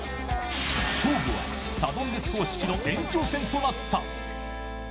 勝負はサドンデス方式の延長戦となった。